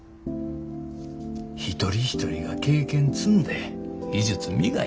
一人一人が経験積んで技術磨いて。